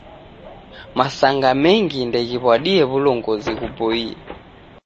Masanga mengi ndeghiw'adie w'ulongozi ghuboie.